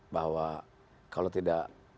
bahwa kalau tidak